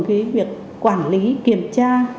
cái việc quản lý kiểm tra